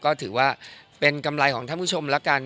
ก็ถือว่าเป็นกำไรของท่านผู้ชมแล้วกัน